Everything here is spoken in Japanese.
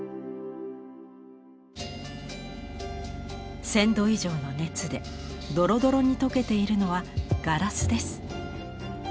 １，０００度以上の熱でドロドロに溶けているのはガラスです。